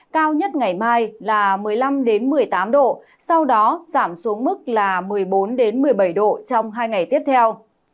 cao nhất ngày mai là một mươi năm một mươi tám độ sau đó giảm xuống mức là một mươi bốn một mươi bảy độ trong hai ngày tiếp theo